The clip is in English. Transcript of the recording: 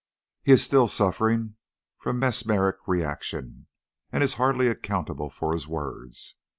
He is still suffering from mesmeric reaction, and is hardly accountable for his words.